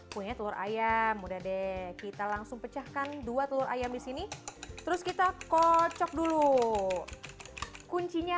punya telur ayam udah deh kita langsung pecahkan dua telur ayam di sini terus kita kocok dulu kuncinya